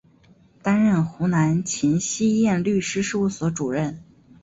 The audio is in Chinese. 担任湖南秦希燕律师事务所主任。